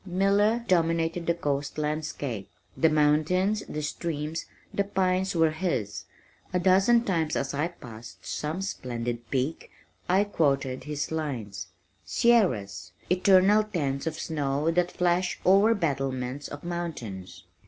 Miller dominated the coast landscape. The mountains, the streams, the pines were his. A dozen times as I passed some splendid peak I quoted his lines. "Sierras! Eternal tents of snow that flash o'er battlements of mountains."